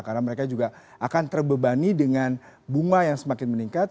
karena mereka juga akan terbebani dengan bunga yang semakin meningkat